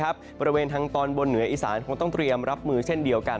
บริเวณทางตอนบนเหนืออีสานคงต้องเตรียมรับมือเช่นเดียวกัน